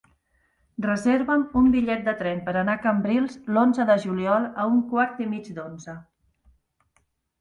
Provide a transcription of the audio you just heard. Reserva'm un bitllet de tren per anar a Cambrils l'onze de juliol a un quart i mig d'onze.